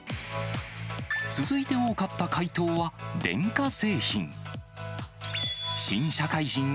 続いて多かった回答は、電化製品。